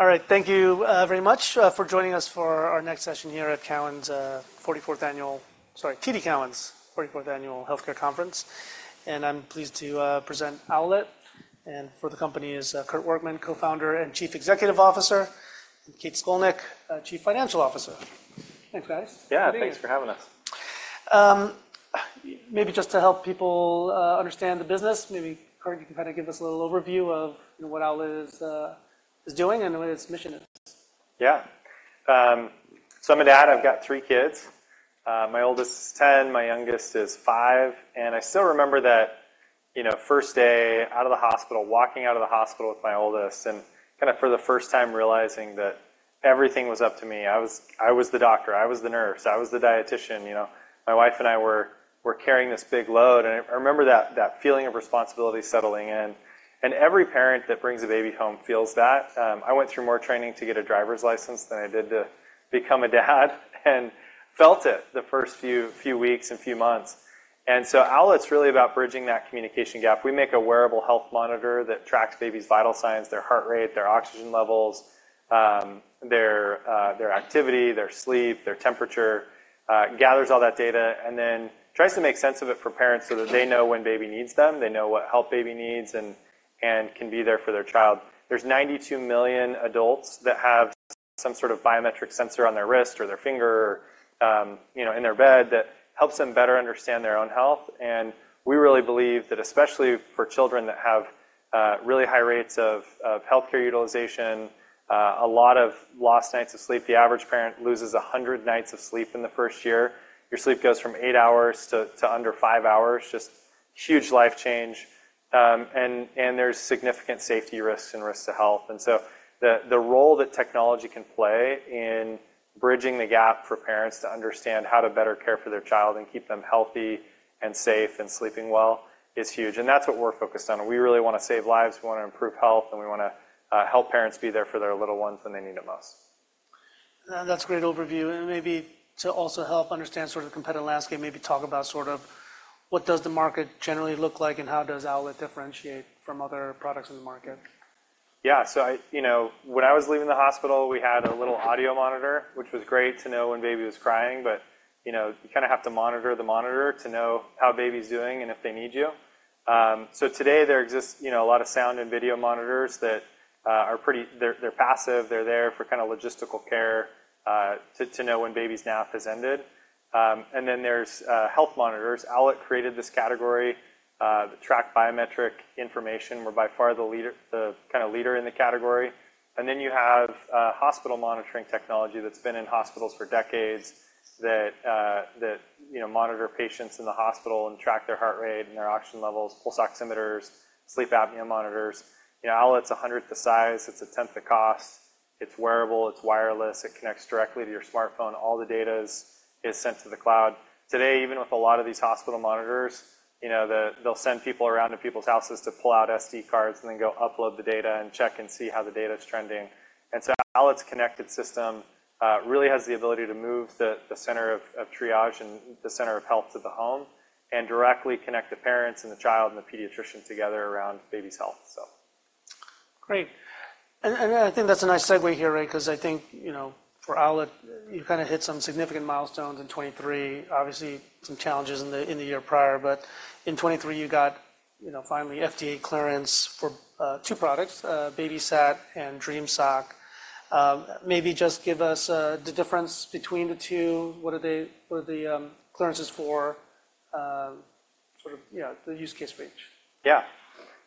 All right, thank you very much for joining us for our next session here at Cowen's 44th annual, sorry, TD Cowen's 44th annual healthcare conference. I'm pleased to present Owlet, and for the company is Kurt Workman, Co-founder and Chief Executive Officer, and Kate Scolnick, Chief Financial Officer. Thanks, guys. Yeah, thanks for having us. Maybe just to help people understand the business, maybe, Kurt, you can kind of give us a little overview of what Owlet is doing and what its mission is. Yeah. So I'm a dad. I've got three kids. My oldest is 10, my youngest is 5. I still remember that first day out of the hospital, walking out of the hospital with my oldest and kind of for the first time realizing that everything was up to me. I was the doctor. I was the nurse. I was the dietitian. My wife and I were carrying this big load. I remember that feeling of responsibility settling in. Every parent that brings a baby home feels that. I went through more training to get a driver's license than I did to become a dad and felt it the first few weeks and few months. Owlet's really about bridging that communication gap. We make a wearable health monitor that tracks babies' vital signs, their heart rate, their oxygen levels, their activity, their sleep, their temperature, gathers all that data, and then tries to make sense of it for parents so that they know when baby needs them, they know what help baby needs, and can be there for their child. There's 92 million adults that have some sort of biometric sensor on their wrist or their finger in their bed that helps them better understand their own health. We really believe that especially for children that have really high rates of healthcare utilization, a lot of lost nights of sleep. The average parent loses 100 nights of sleep in the first year. Your sleep goes from 8 hours to under 5 hours. Just huge life change. There's significant safety risks and risks to health. The role that technology can play in bridging the gap for parents to understand how to better care for their child and keep them healthy and safe and sleeping well is huge. That's what we're focused on. We really want to save lives. We want to improve health. We want to help parents be there for their little ones when they need it most. That's a great overview. Maybe to also help understand sort of the competitive landscape, maybe talk about sort of what does the market generally look like and how does Owlet differentiate from other products in the market? Yeah. So when I was leaving the hospital, we had a little audio monitor, which was great to know when baby was crying. But you kind of have to monitor the monitor to know how baby's doing and if they need you. So today, there exist a lot of sound and video monitors that are pretty. They're passive. They're there for kind of logistical care to know when baby's nap has ended. And then there's health monitors. Owlet created this category to track biometric information. We're by far the kind of leader in the category. And then you have hospital monitoring technology that's been in hospitals for decades that monitor patients in the hospital and track their heart rate and their oxygen levels, pulse oximeters, sleep apnea monitors. Owlet's 100th the size. It's a tenth the cost. It's wearable. It's wireless. It connects directly to your smartphone. All the data is sent to the cloud. Today, even with a lot of these hospital monitors, they'll send people around to people's houses to pull out SD cards and then go upload the data and check and see how the data's trending. Owlet's connected system really has the ability to move the center of triage and the center of health to the home and directly connect the parents and the child and the pediatrician together around baby's health. Great. And I think that's a nice segue here, right, because I think for Owlet, you kind of hit some significant milestones in 2023. Obviously, some challenges in the year prior. But in 2023, you got finally FDA clearance for two products, BabySat and Dream Sock. Maybe just give us the difference between the two. What are the clearances for? Sort of the use case range. Yeah.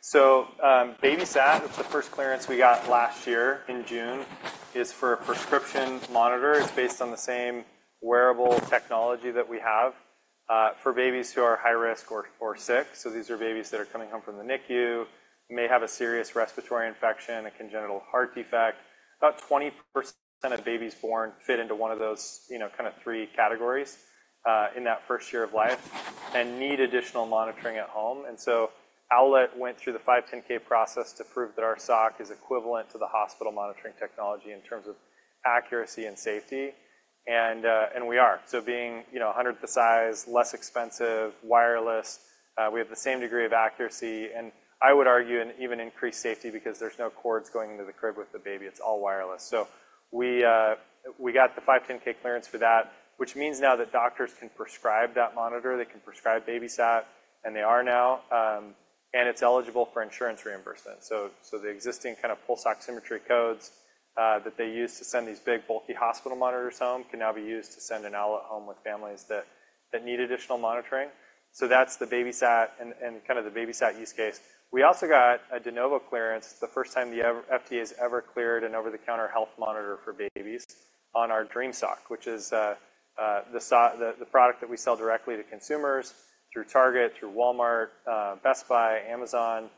So BabySat, the first clearance we got last year in June, is for a prescription monitor. It's based on the same wearable technology that we have for babies who are high risk or sick. So these are babies that are coming home from the NICU, may have a serious respiratory infection, a congenital heart defect. About 20% of babies born fit into one of those kind of three categories in that first year of life and need additional monitoring at home. And so Owlet went through the 510(k) process to prove that our Sock is equivalent to the hospital monitoring technology in terms of accuracy and safety. And we are. So being 100th the size, less expensive, wireless, we have the same degree of accuracy. And I would argue and even increased safety because there's no cords going into the crib with the baby. It's all wireless. So we got the 510(k) clearance for that, which means now that doctors can prescribe that monitor. They can prescribe BabySat. And they are now. And it's eligible for insurance reimbursement. So the existing kind of pulse oximetry codes that they used to send these big, bulky hospital monitors home can now be used to send an Owlet home with families that need additional monitoring. So that's the BabySat and kind of the BabySat use case. We also got a De Novo clearance. It's the first time the FDA has ever cleared an over-the-counter health monitor for babies on our Dream Sock, which is the product that we sell directly to consumers through Target, through Walmart, Best Buy, Amazon.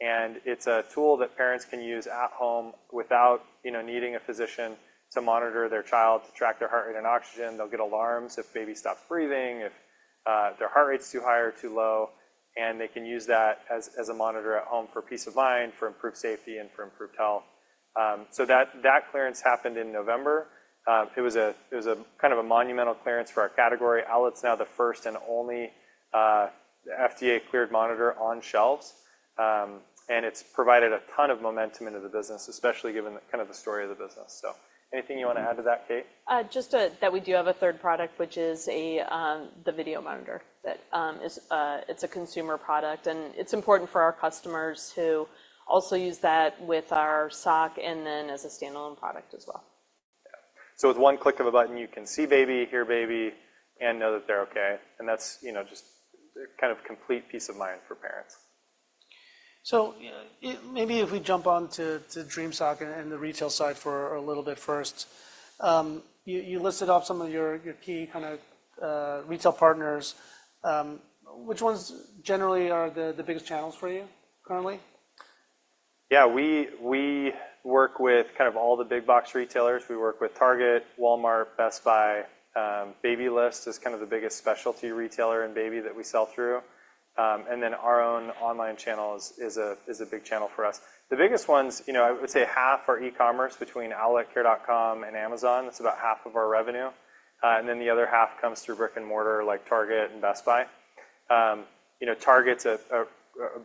And it's a tool that parents can use at home without needing a physician to monitor their child, to track their heart rate and oxygen. They'll get alarms if baby stops breathing, if their heart rate's too high or too low. They can use that as a monitor at home for peace of mind, for improved safety, and for improved health. That clearance happened in November. It was kind of a monumental clearance for our category. Owlet's now the first and only FDA-cleared monitor on shelves. It's provided a ton of momentum into the business, especially given kind of the story of the business. Anything you want to add to that, Kate? Just that we do have a third product, which is the video monitor. It's a consumer product. It's important for our customers to also use that with our Sock and then as a standalone product as well. Yeah. With 1 click of a button, you can see baby, hear baby, and know that they're okay. That's just kind of a complete peace of mind for parents. Maybe if we jump on to Dream Sock and the retail side for a little bit first. You listed off some of your key kind of retail partners. Which ones generally are the biggest channels for you currently? Yeah. We work with kind of all the big-box retailers. We work with Target, Walmart, Best Buy. Babylist is kind of the biggest specialty retailer in baby that we sell through. And then our own online channel is a big channel for us. The biggest ones, I would say half are e-commerce between owletcare.com and Amazon. That's about half of our revenue. And then the other half comes through brick and mortar like Target and Best Buy. Target's a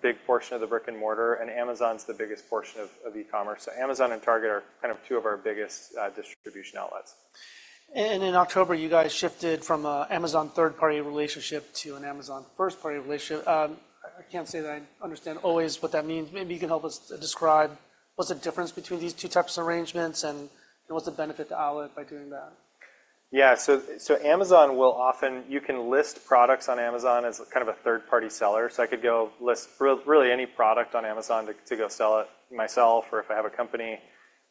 big portion of the brick and mortar. And Amazon's the biggest portion of e-commerce. So Amazon and Target are kind of two of our biggest distribution outlets. In October, you guys shifted from an Amazon third-party relationship to an Amazon first-party relationship. I can't say that I understand always what that means. Maybe you can help us describe what's the difference between these two types of arrangements and what's the benefit to Owlet by doing that? Yeah. So Amazon will often you can list products on Amazon as kind of a third-party seller. So I could go list really any product on Amazon to go sell it myself or if I have a company.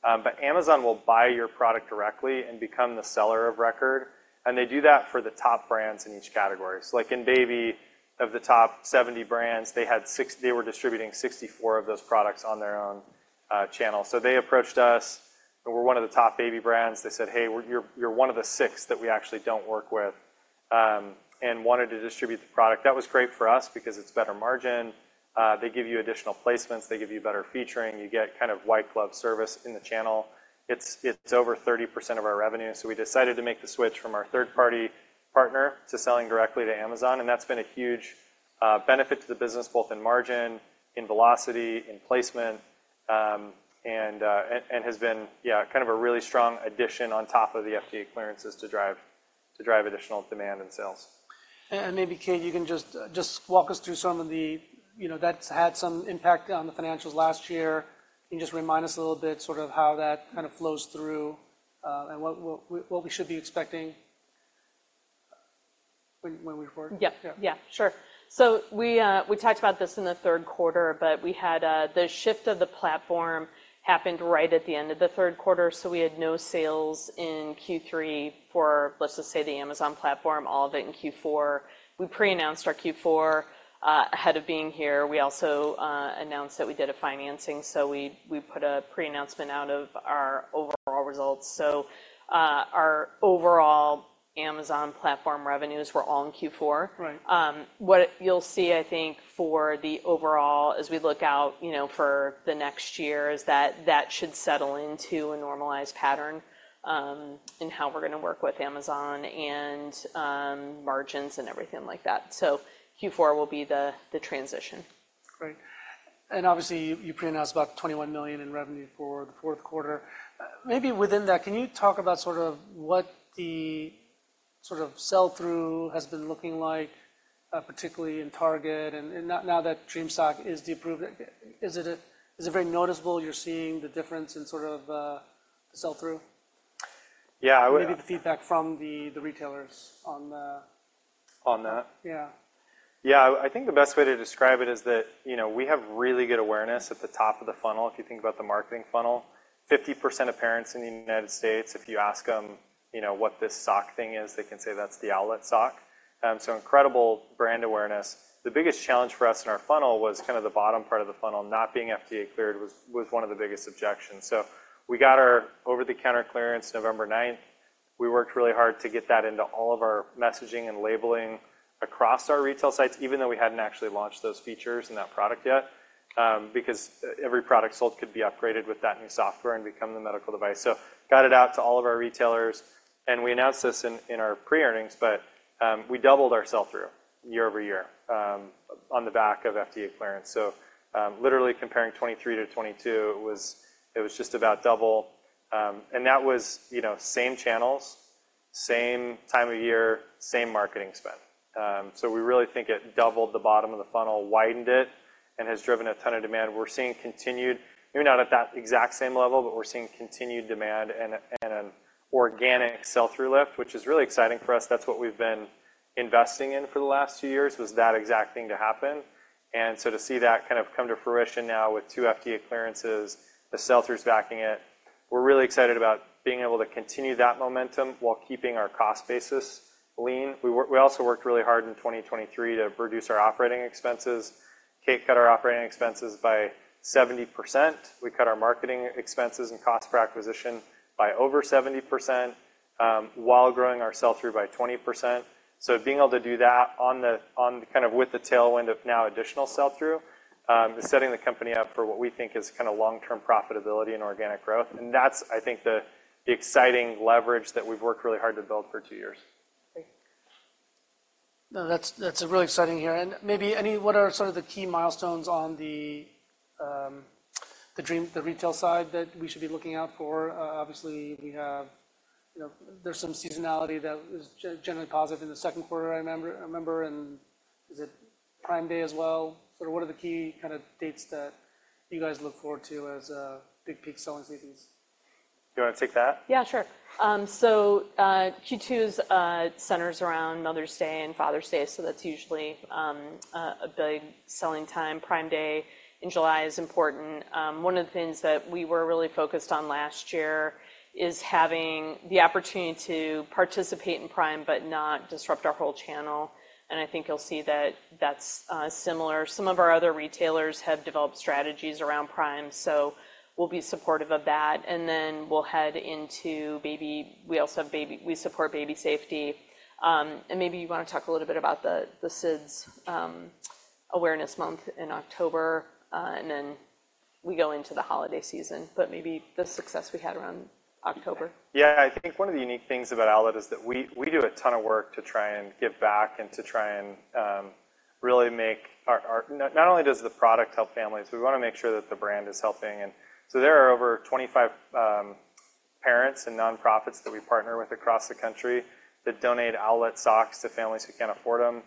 But Amazon will buy your product directly and become the seller of record. And they do that for the top brands in each category. So like in baby, of the top 70 brands, they were distributing 64 of those products on their own channel. So they approached us. We're one of the top baby brands. They said, "Hey, you're one of the six that we actually don't work with," and wanted to distribute the product. That was great for us because it's better margin. They give you additional placements. They give you better featuring. You get kind of white-glove service in the channel. It's over 30% of our revenue. We decided to make the switch from our third-party partner to selling directly to Amazon. That's been a huge benefit to the business, both in margin, in velocity, in placement, and has been, yeah, kind of a really strong addition on top of the FDA clearances to drive additional demand and sales. Maybe, Kate, you can just walk us through some of the that's had some impact on the financials last year. Can you just remind us a little bit sort of how that kind of flows through and what we should be expecting when we report? Yeah. Yeah. Sure. So we talked about this in the third quarter, but we had the shift of the platform happened right at the end of the third quarter. So we had no sales in Q3 for, let's just say, the Amazon platform, all of it in Q4. We pre-announced our Q4 ahead of being here. We also announced that we did a financing. So we put a pre-announcement out of our overall results. So our overall Amazon platform revenues were all in Q4. What you'll see, I think, for the overall as we look out for the next year is that that should settle into a normalized pattern in how we're going to work with Amazon and margins and everything like that. So Q4 will be the transition. Great. And obviously, you pre-announced about $21 million in revenue for the fourth quarter. Maybe within that, can you talk about sort of what the sort of sell-through has been looking like, particularly in Target? And now that Dream Sock is now approved, is it very noticeable you're seeing the difference in sort of the sell-through? Yeah. I would. Maybe the feedback from the retailers on the. On that? Yeah. Yeah. I think the best way to describe it is that we have really good awareness at the top of the funnel. If you think about the marketing funnel, 50% of parents in the United States, if you ask them what this Sock thing is, they can say that's the Owlet Sock. So incredible brand awareness. The biggest challenge for us in our funnel was kind of the bottom part of the funnel not being FDA cleared was one of the biggest objections. So we got our over-the-counter clearance November 9th. We worked really hard to get that into all of our messaging and labeling across our retail sites, even though we hadn't actually launched those features and that product yet, because every product sold could be upgraded with that new software and become the medical device. So got it out to all of our retailers. We announced this in our pre-earnings, but we doubled our sell-through year-over-year on the back of FDA clearance. So literally comparing 2023 to 2022, it was just about double. And that was same channels, same time of year, same marketing spend. So we really think it doubled the bottom of the funnel, widened it, and has driven a ton of demand. We're seeing continued maybe not at that exact same level, but we're seeing continued demand and an organic sell-through lift, which is really exciting for us. That's what we've been investing in for the last two years, was that exact thing to happen. And so to see that kind of come to fruition now with two FDA clearances, the sell-through's backing it, we're really excited about being able to continue that momentum while keeping our cost basis lean. We also worked really hard in 2023 to reduce our operating expenses. Kate cut our operating expenses by 70%. We cut our marketing expenses and cost per acquisition by over 70% while growing our sell-through by 20%. So being able to do that on the kind of with the tailwind of now additional sell-through is setting the company up for what we think is kind of long-term profitability and organic growth. And that's, I think, the exciting leverage that we've worked really hard to build for two years. Great. No, that's really exciting here. And maybe what are sort of the key milestones on the retail side that we should be looking out for? Obviously, there's some seasonality that was generally positive in the second quarter, I remember. And is it Prime Day as well? Sort of what are the key kind of dates that you guys look forward to as big peak selling seasons? Do you want to take that? Yeah. Sure. So Q2 centers around Mother's Day and Father's Day. So that's usually a big selling time. Prime Day in July is important. One of the things that we were really focused on last year is having the opportunity to participate in Prime but not disrupt our whole channel. And I think you'll see that that's similar. Some of our other retailers have developed strategies around Prime. So we'll be supportive of that. And then we'll head into baby week. We also have baby week support baby safety. And maybe you want to talk a little bit about the SIDS Awareness Month in October. And then we go into the holiday season. But maybe the success we had around October. Yeah. I think one of the unique things about Owlet is that we do a ton of work to try and give back and to try and really make our not only does the product help families, we want to make sure that the brand is helping. And so there are over 25 parents and nonprofits that we partner with across the country that donate Owlet Socks to families who can't afford them.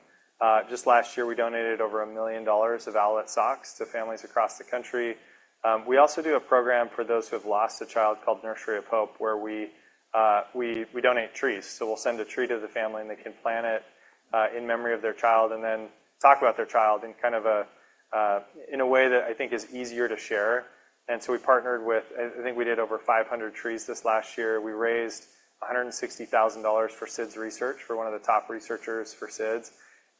Just last year, we donated over $1 million of Owlet Socks to families across the country. We also do a program for those who have lost a child called Nursery of Hope, where we donate trees. So we'll send a tree to the family, and they can plant it in memory of their child and then talk about their child in kind of a way that I think is easier to share. And so we partnered with I think we did over 500 trees this last year. We raised $160,000 for SIDS research for one of the top researchers for SIDS.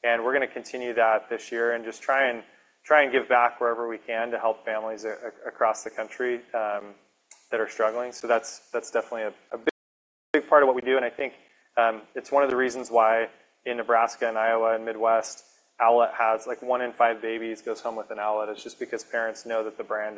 And we're going to continue that this year and just try and give back wherever we can to help families across the country that are struggling. So that's definitely a big part of what we do. And I think it's one of the reasons why in Nebraska and Iowa and Midwest, Owlet has like one in five babies goes home with an Owlet. It's just because parents know that the brand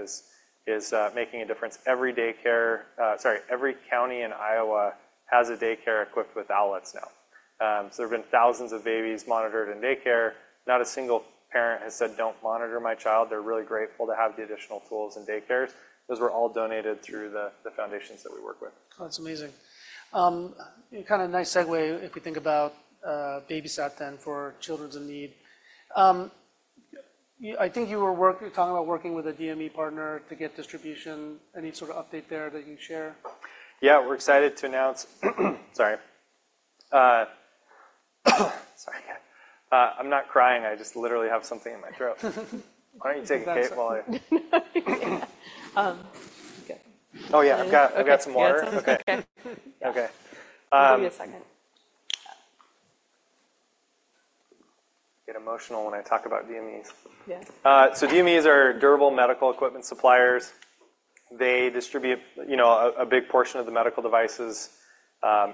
is making a difference. Every daycare sorry, every county in Iowa has a daycare equipped with Owlets now. So there have been thousands of babies monitored in daycare. Not a single parent has said, "Don't monitor my child." They're really grateful to have the additional tools in daycares. Those were all donated through the foundations that we work with. Oh, that's amazing. Kind of nice segue if we think about BabySat then for children in need. I think you were talking about working with a DME partner to get distribution. Any sort of update there that you can share? Yeah. We're excited to announce, sorry. Sorry. I'm not crying. I just literally have something in my throat. Why don't you take it, Kate, while I? That's okay. Oh, yeah. I've got some water. Okay. Okay. Give me a second. Get emotional when I talk about DMEs. So DMEs are Durable Medical Equipment suppliers. They distribute a big portion of the medical devices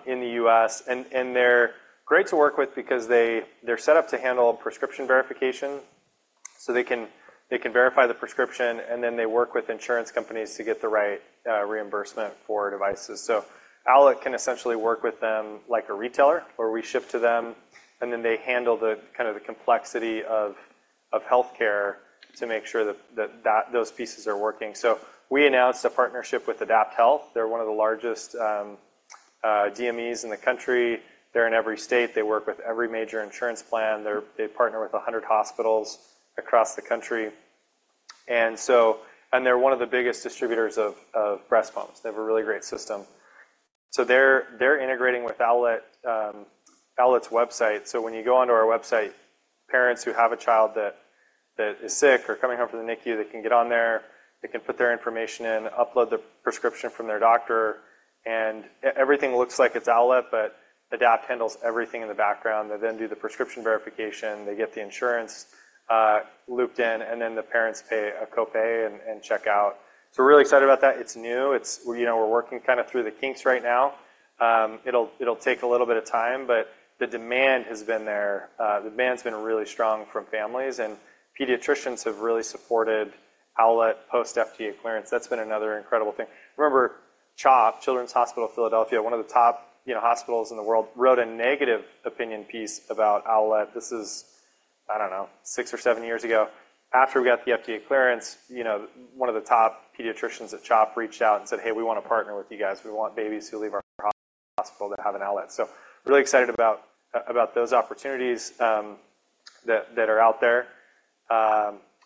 in the U.S. And they're great to work with because they're set up to handle prescription verification. So they can verify the prescription, and then they work with insurance companies to get the right reimbursement for devices. So Owlet can essentially work with them like a retailer, where we ship to them, and then they handle kind of the complexity of healthcare to make sure that those pieces are working. So we announced a partnership with AdaptHealth. They're one of the largest DMEs in the country. They're in every state. They work with every major insurance plan. They partner with 100 hospitals across the country. And they're one of the biggest distributors of breast pumps. They have a really great system. So they're integrating with Owlet's website. So when you go onto our website, parents who have a child that is sick or coming home from the NICU, they can get on there. They can put their information in, upload the prescription from their doctor. And everything looks like it's Owlet, but Adapt handles everything in the background. They then do the prescription verification. They get the insurance looped in, and then the parents pay a copay and check out. So we're really excited about that. It's new. We're working kind of through the kinks right now. It'll take a little bit of time, but the demand has been there. The demand's been really strong from families. And pediatricians have really supported Owlet post-FDA clearance. That's been another incredible thing. Remember, CHOP, Children's Hospital of Philadelphia, one of the top hospitals in the world, wrote a negative opinion piece about Owlet. This is, I don't know, six or seven years ago. After we got the FDA clearance, one of the top pediatricians at CHOP reached out and said, "Hey, we want to partner with you guys. We want babies who leave our hospital to have an Owlet." So really excited about those opportunities that are out there.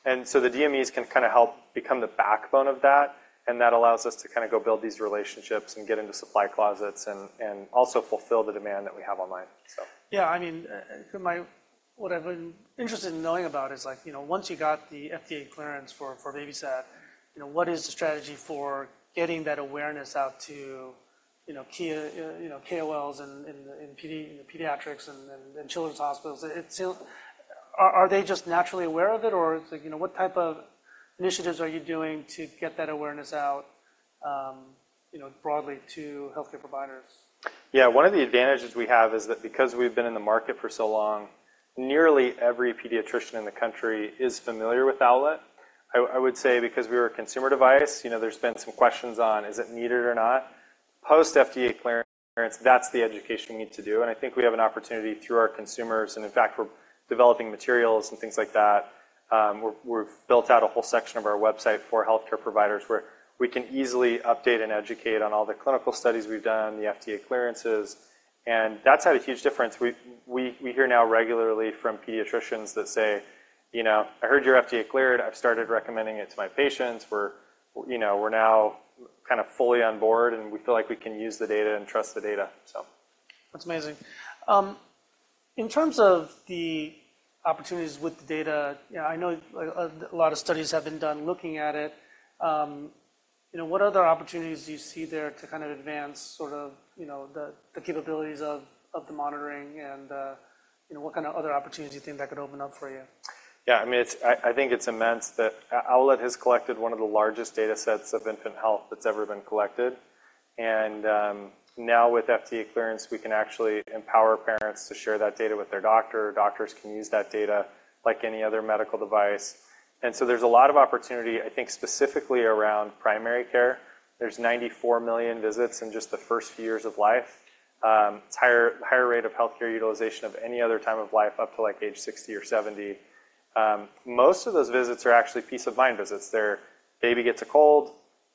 And so the DMEs can kind of help become the backbone of that. And that allows us to kind of go build these relationships and get into supply closets and also fulfill the demand that we have online, so. Yeah. I mean, what I've been interested in knowing about is once you got the FDA clearance for BabySat, what is the strategy for getting that awareness out to KOLs in the pediatrics and children's hospitals? Are they just naturally aware of it, or what type of initiatives are you doing to get that awareness out broadly to healthcare providers? Yeah. One of the advantages we have is that because we've been in the market for so long, nearly every pediatrician in the country is familiar with Owlet. I would say because we were a consumer device, there's been some questions on, "Is it needed or not?" Post-FDA clearance, that's the education we need to do. I think we have an opportunity through our consumers. In fact, we're developing materials and things like that. We've built out a whole section of our website for healthcare providers where we can easily update and educate on all the clinical studies we've done, the FDA clearances. That's had a huge difference. We hear now regularly from pediatricians that say, "I heard you're FDA cleared. I've started recommending it to my patients. We're now kind of fully on board, and we feel like we can use the data and trust the data," so. That's amazing. In terms of the opportunities with the data, I know a lot of studies have been done looking at it. What other opportunities do you see there to kind of advance sort of the capabilities of the monitoring, and what kind of other opportunities do you think that could open up for you? Yeah. I mean, I think it's immense that Owlet has collected one of the largest datasets of infant health that's ever been collected. And now with FDA clearance, we can actually empower parents to share that data with their doctor. Doctors can use that data like any other medical device. And so there's a lot of opportunity, I think, specifically around primary care. There's 94 million visits in just the first few years of life. It's a higher rate of healthcare utilization of any other time of life up to age 60 or 70. Most of those visits are actually peace-of-mind visits. Baby gets a cold.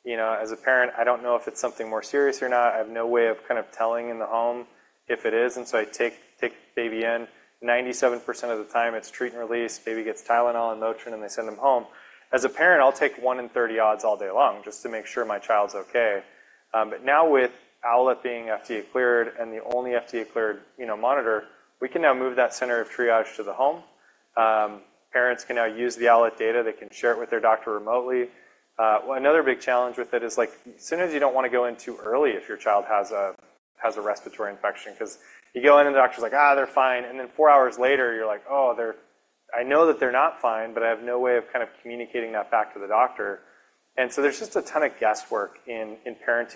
As a parent, I don't know if it's something more serious or not. I have no way of kind of telling in the home if it is. And so I take baby in. 97% of the time, it's treat and release. Baby gets Tylenol and Motrin, and they send him home. As a parent, I'll take 1 in 30 odds all day long just to make sure my child's okay. But now with Owlet being FDA cleared and the only FDA cleared monitor, we can now move that center of triage to the home. Parents can now use the Owlet data. They can share it with their doctor remotely. Another big challenge with it is as soon as you don't want to go in too early if your child has a respiratory infection because you go in and the doctor's like, "they're fine." And then four hours later, you're like, "Oh, I know that they're not fine, but I have no way of kind of communicating that fact to the doctor." And so there's just a ton of guesswork in parents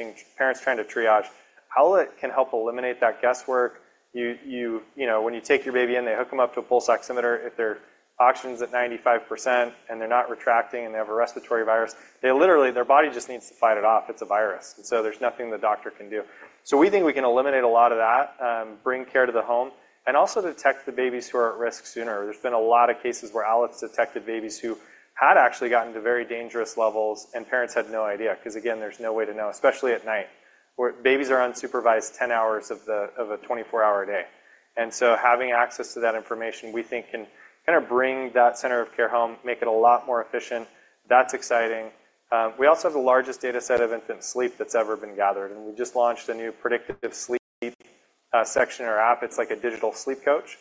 trying to triage. Owlet can help eliminate that guesswork. When you take your baby in, they hook them up to a pulse oximeter. If their oxygen's at 95% and they're not retracting and they have a respiratory virus, literally, their body just needs to fight it off. It's a virus. And so there's nothing the doctor can do. So we think we can eliminate a lot of that, bring care to the home, and also detect the babies who are at risk sooner. There's been a lot of cases where Owlet's detected babies who had actually gotten to very dangerous levels, and parents had no idea because, again, there's no way to know, especially at night, where babies are unsupervised 10 hours of a 24-hour day. And so having access to that information, we think, can kind of bring that center of care home, make it a lot more efficient. That's exciting. We also have the largest dataset of infant sleep that's ever been gathered. We just launched a new predictive sleep section or app. It's like a digital sleep coach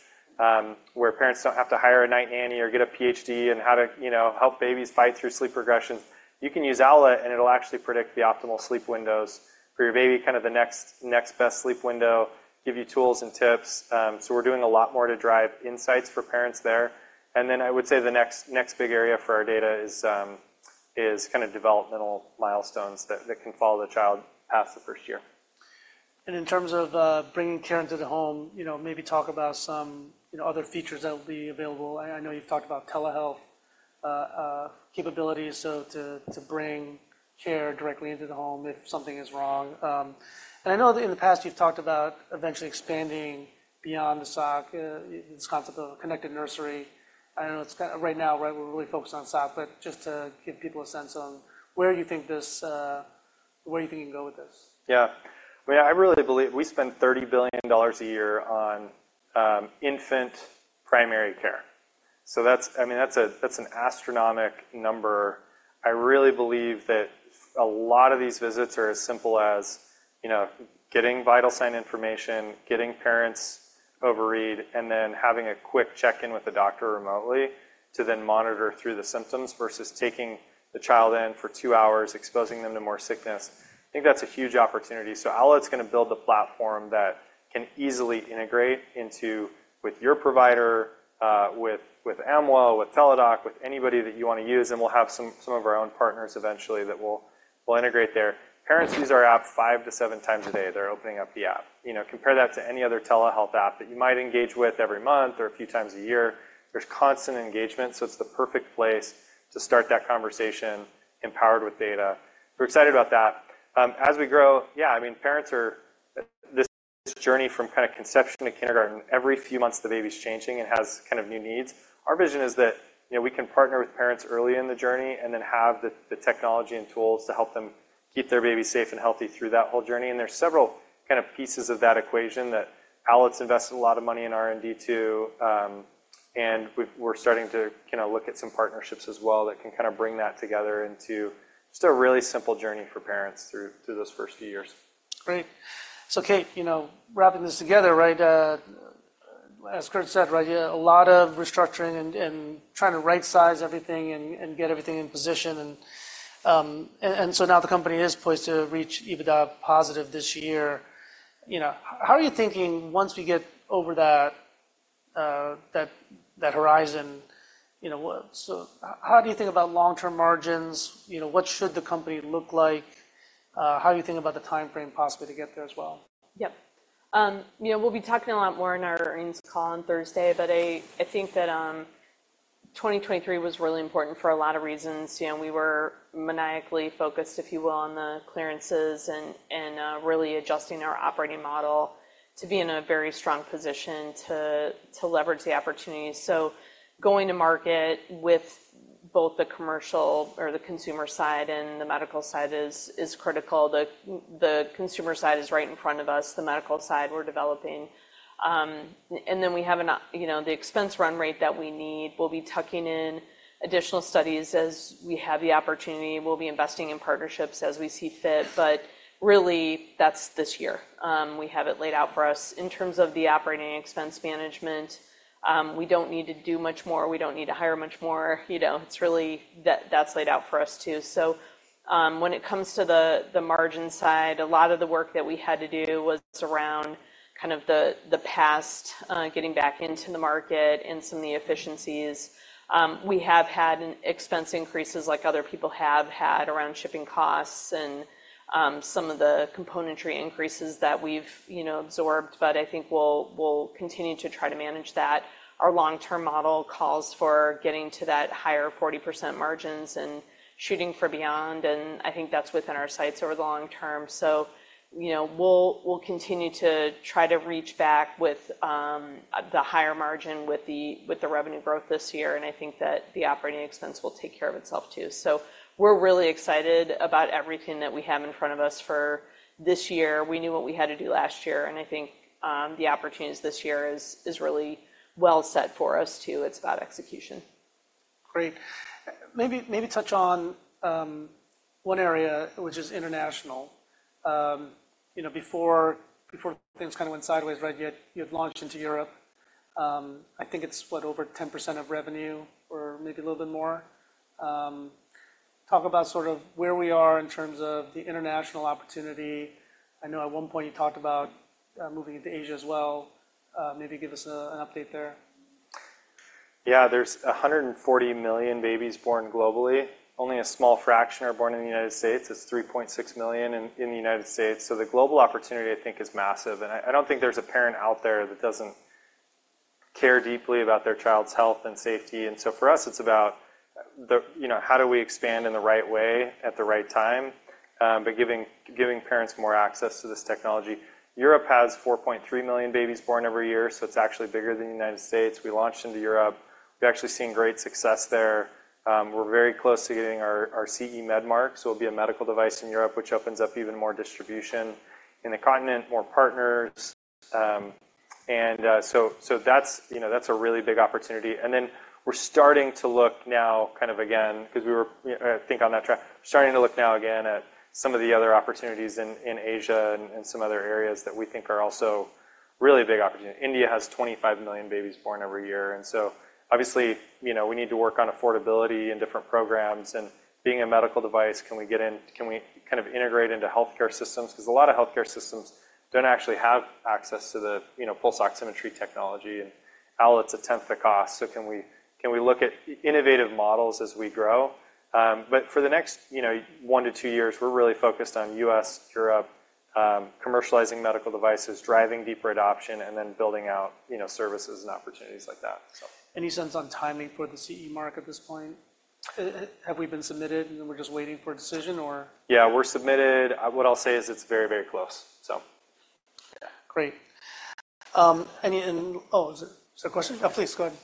where parents don't have to hire a night nanny or get a PhD in how to help babies fight through sleep regressions. You can use Owlet, and it'll actually predict the optimal sleep windows for your baby, kind of the next best sleep window, give you tools and tips. We're doing a lot more to drive insights for parents there. I would say the next big area for our data is kind of developmental milestones that can follow the child past the first year. And in terms of bringing care into the home, maybe talk about some other features that will be available. I know you've talked about telehealth capabilities to bring care directly into the home if something is wrong. And I know in the past, you've talked about eventually expanding beyond the SOC, this concept of connected nursery. I don't know. Right now, we're really focused on SOC. But just to give people a sense on where you think this where you think you can go with this. Yeah. Well, yeah, I really believe we spend $30 billion a year on infant primary care. So I mean, that's an astronomic number. I really believe that a lot of these visits are as simple as getting vital sign information, getting parents overread, and then having a quick check-in with the doctor remotely to then monitor through the symptoms versus taking the child in for 2 hours, exposing them to more sickness. I think that's a huge opportunity. So Owlet's going to build the platform that can easily integrate with your provider, with Amwell, with Teladoc, with anybody that you want to use. And we'll have some of our own partners eventually that will integrate there. Parents use our app 5-7 times a day. They're opening up the app. Compare that to any other telehealth app that you might engage with every month or a few times a year. There's constant engagement. So it's the perfect place to start that conversation empowered with data. We're excited about that. As we grow, yeah, I mean, parents are this journey from kind of conception to kindergarten, every few months, the baby's changing and has kind of new needs. Our vision is that we can partner with parents early in the journey and then have the technology and tools to help them keep their baby safe and healthy through that whole journey. And there's several kind of pieces of that equation that Owlet's invested a lot of money in R&D too. And we're starting to look at some partnerships as well that can kind of bring that together into just a really simple journey for parents through those first few years. Great. So, Kate, wrapping this together, right, as Kurt said, right, a lot of restructuring and trying to right-size everything and get everything in position. And so now the company is poised to reach EBITDA positive this year. How are you thinking once we get over that horizon? So how do you think about long-term margins? What should the company look like? How do you think about the time frame possibly to get there as well? Yep. We'll be talking a lot more in our earnings call on Thursday. I think that 2023 was really important for a lot of reasons. We were maniacally focused, if you will, on the clearances and really adjusting our operating model to be in a very strong position to leverage the opportunities. Going to market with both the commercial or the consumer side and the medical side is critical. The consumer side is right in front of us. The medical side, we're developing. Then we have the expense run rate that we need. We'll be tucking in additional studies as we have the opportunity. We'll be investing in partnerships as we see fit. Really, that's this year. We have it laid out for us. In terms of the operating expense management, we don't need to do much more. We don't need to hire much more. That's laid out for us too. So when it comes to the margin side, a lot of the work that we had to do was around kind of the past, getting back into the market and some of the efficiencies. We have had expense increases like other people have had around shipping costs and some of the componentry increases that we've absorbed. But I think we'll continue to try to manage that. Our long-term model calls for getting to that higher 40% margins and shooting for beyond. And I think that's within our sights over the long term. So we'll continue to try to reach back with the higher margin with the revenue growth this year. And I think that the operating expense will take care of itself too. So we're really excited about everything that we have in front of us for this year. We knew what we had to do last year. I think the opportunities this year is really well set for us too. It's about execution. Great. Maybe touch on one area, which is international. Before things kind of went sideways, right, you had launched into Europe. I think it's, what, over 10% of revenue or maybe a little bit more. Talk about sort of where we are in terms of the international opportunity. I know at one point, you talked about moving into Asia as well. Maybe give us an update there. Yeah. There's 140 million babies born globally. Only a small fraction are born in the United States. It's 3.6 million in the United States. So the global opportunity, I think, is massive. And I don't think there's a parent out there that doesn't care deeply about their child's health and safety. And so for us, it's about how do we expand in the right way at the right time by giving parents more access to this technology. Europe has 4.3 million babies born every year. So it's actually bigger than the United States. We launched into Europe. We've actually seen great success there. We're very close to getting our CE med mark. So it'll be a medical device in Europe, which opens up even more distribution in the continent, more partners. And so that's a really big opportunity. And then we're starting to look now kind of again because we were, I think, on that track, starting to look now again at some of the other opportunities in Asia and some other areas that we think are also really big opportunities. India has 25 million babies born every year. And so obviously, we need to work on affordability and different programs. And being a medical device, can we get in can we kind of integrate into healthcare systems? Because a lot of healthcare systems don't actually have access to the pulse oximetry technology. And Owlet's a tenth the cost. So can we look at innovative models as we grow? But for the next 1 to 2 years, we're really focused on U.S., Europe, commercializing medical devices, driving deeper adoption, and then building out services and opportunities like that, so. Any sense on timing for the CE mark at this point? Have we been submitted, and then we're just waiting for a decision, or? Yeah. We're submitted. What I'll say is it's very, very close, so. Great. Oh, is there a question? Oh, please, go ahead.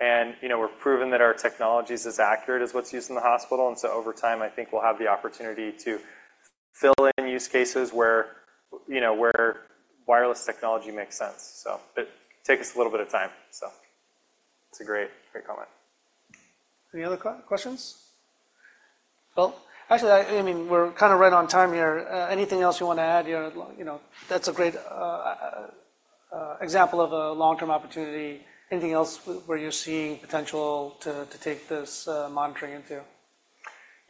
And we're proving that our technology is as accurate as what's used in the hospital. And so over time, I think we'll have the opportunity to fill in use cases where wireless technology makes sense. But it takes us a little bit of time, so. It's a great comment. Any other questions? Well, actually, I mean, we're kind of right on time here. Anything else you want to add here? That's a great example of a long-term opportunity. Anything else where you're seeing potential to take this monitoring into?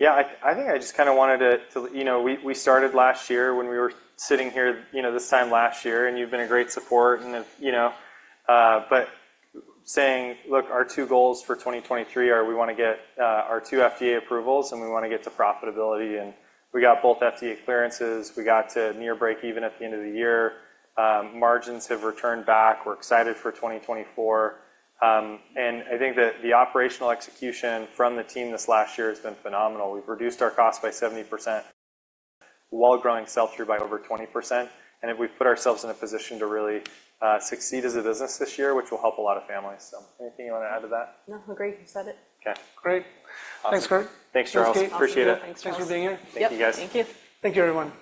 Yeah. I think I just kind of wanted to. We started last year when we were sitting here this time last year. And you've been a great support. But saying, "Look, our two goals for 2023 are we want to get our two FDA approvals, and we want to get to profitability." And we got both FDA clearances. We got to near break-even at the end of the year. Margins have returned back. We're excited for 2024. And I think that the operational execution from the team this last year has been phenomenal. We've reduced our cost by 70%. Walmart growing sell-through by over 20%. And now we've put ourselves in a position to really succeed as a business this year, which will help a lot of families, so. Anything you want to add to that? No. I agree. You said it. Okay. Great. Thanks, Kurt. Thanks, Charles. Appreciate it. Thanks, guys. Thanks for being here. Thank you, guys. Thank you. Thank you, everyone.